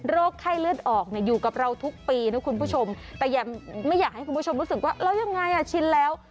โรคไข้เลือดออกอยู่กับเราทุกปีแต่ไม่อยากให้คุณผู้ชมรู้สึกว่าแล้วยังไงชินแล้ว